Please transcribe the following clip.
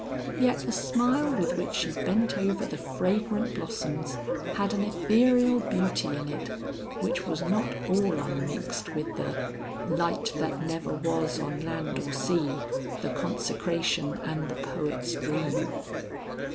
Yet the smile with which she bent over the fragrant blossoms, had an ethereal beauty in it, which was not all unmixed with the "Light that never was on land or sea, The consecration and the poet's dream."